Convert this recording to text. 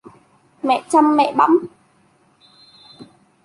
Mẹ chăm mẹ bẵm